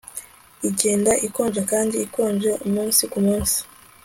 Igenda ikonja kandi ikonje umunsi kumunsi